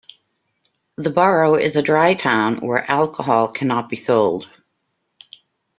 The borough is a dry town where alcohol cannot be sold.